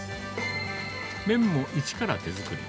麺も一から手作り。